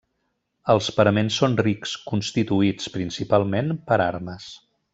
Els paraments són rics, constituïts, principalment, per armes.